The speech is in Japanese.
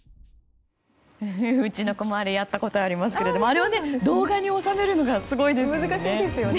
うちの子もあれやったことがありますけどあれを動画に収めるのがすごいですよね。